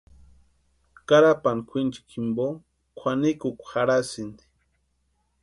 Karapani kwʼinchikwa jimpo kwʼanikukwa jarhasïnti.